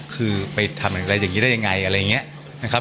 คือไปทำอะไรอย่างนี้ได้ยังไงอะไรอย่างนี้นะครับ